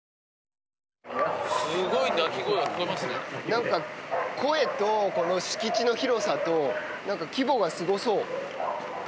なんか、声とこの敷地の広さと、なんか規模がすごそう。